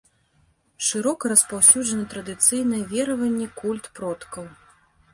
Шырока распаўсюджаны традыцыйныя вераванні, культ продкаў.